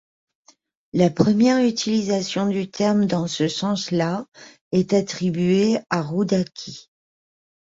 La première utilisation du terme dans ce sens-là est attribué à Roudaki.